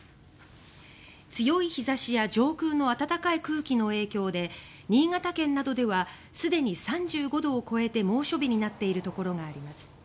強い日差しや上空の暖かい空気の影響で新潟県などではすでに３５度を超えて猛暑日になっているところがあります。